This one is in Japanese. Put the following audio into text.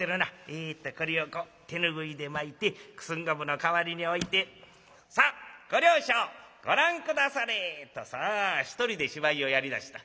えっとこれをこう手拭いで巻いて九寸五分の代わりに置いて『さあご両所ご覧下され』」。とさあ一人で芝居をやりだした。